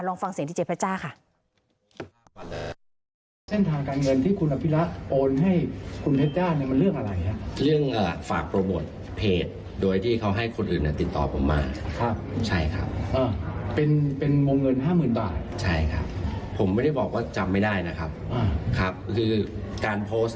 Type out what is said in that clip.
ฟังเสียงที่เจ๊เพชจ้าค่ะ